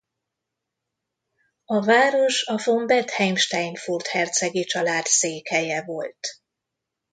A város a von Bentheim-Steinfurt hercegi család székhelye volt.